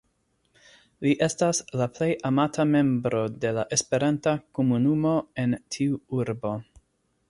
Li estas la plej amata membro de la esperanta komunumo en tiu urbo.